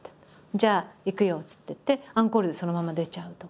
じゃあ行くよっつって行ってアンコールでそのまま出ちゃうとか。